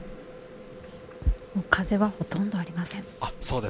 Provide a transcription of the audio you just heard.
風はほとんどありません。